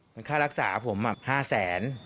มันค่ารักษาผมอะ๕๐๐๐๐๐